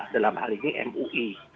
dalam hal ini mui